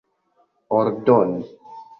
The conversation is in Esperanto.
ordoni